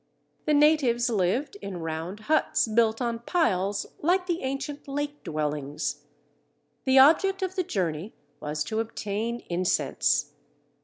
The natives lived in round huts built on piles like the ancient lake dwellings. The object of the journey was to obtain incense.